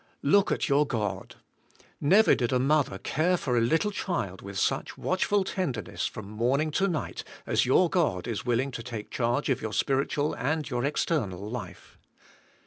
Look at your God. Never did a mother care for a little child with such watchful tenderness from morning to night as your God is willing to take charge of your spiritual and your external life.